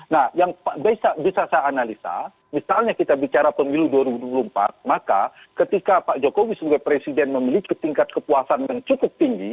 nah yang bisa saya analisa misalnya kita bicara pemilu dua ribu dua puluh empat maka ketika pak jokowi sebagai presiden memiliki tingkat kepuasan yang cukup tinggi